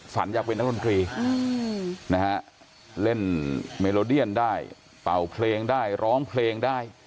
อยากเป็นนักดนตรีนะฮะเล่นเมโลเดียนได้เป่าเพลงได้ร้องเพลงได้